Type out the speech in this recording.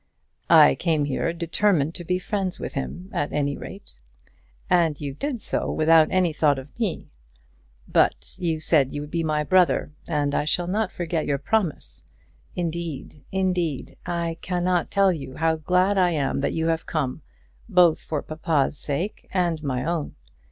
"I came here determined to be friends with him at any rate." "And you did so without any thought of me. But you said you would be my brother, and I shall not forget your promise. Indeed, indeed, I cannot tell you how glad I am that you have come, both for papa's sake and my own.